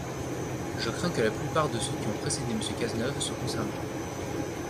Je crains que la plupart de ceux qui ont précédé Monsieur Cazeneuve soient concernés.